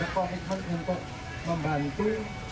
dan saya meminta pemerintah untuk membantu